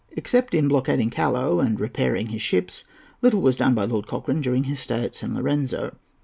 Except in blockading Callao and repairing his ships little was done by Lord Cochrane during his stay at San Lorenzo.